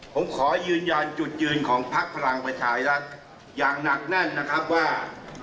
ผมขอยืนยันจุดยืนของพักพลังประชารัฐอย่างหนักแน่นนะครับว่า